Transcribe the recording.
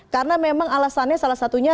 karena memang alasannya salah satunya